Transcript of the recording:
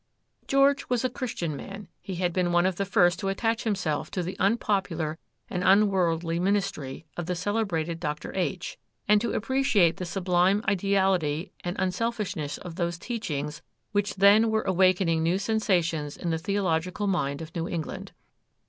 George was a Christian man;—he had been one of the first to attach himself to the unpopular and unworldly ministry of the celebrated Dr. H., and to appreciate the sublime ideality and unselfishness of those teachings which then were awakening new sensations in the theological mind of New England.